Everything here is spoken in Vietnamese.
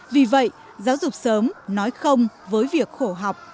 vì vậy giáo dục sớm nói không với việc khổ học